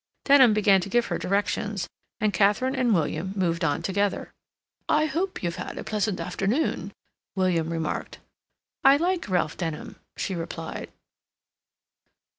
Denham began to give her directions, and Katharine and William moved on together. "I hope you've had a pleasant afternoon," William remarked. "I like Ralph Denham," she replied.